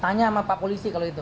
tanya sama pak polisi kalau itu